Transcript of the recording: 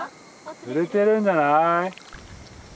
釣れてるんじゃない？